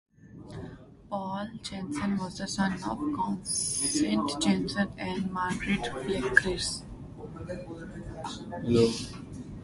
Paul Janssen was the son of Constant Janssen and Margriet Fleerackers.